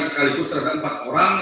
sekaligus serta empat orang